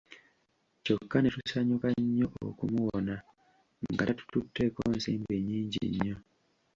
Kyokka ne tusanyuka nnyo okumuwona nga tatututteeko nsimbi nnyingi nnyo.